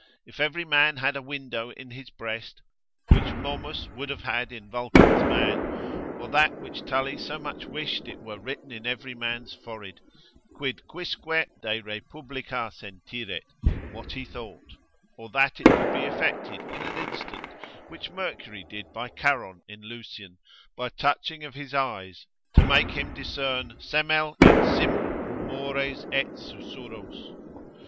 If every man had a window in his breast, which Momus would have had in Vulcan's man, or that which Tully so much wished it were written in every man's forehead, Quid quisque de republica sentiret, what he thought; or that it could be effected in an instant, which Mercury did by Charon in Lucian, by touching of his eyes, to make him discern semel et simul rumores et susurros.